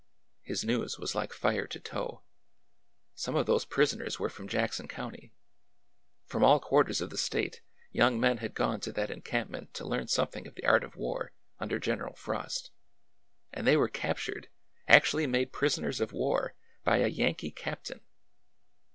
His news was like fire to tow. Some of those pris oners were from Jackson County. From all quarters of the State young men had gone to that encampment to learn something of the art of war under General Frost. And they were captured, actually made prisoners of war, by a Yankee cqptain